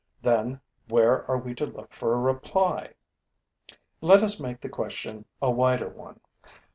Then where are we to look for a reply? Let us make the question a wider one.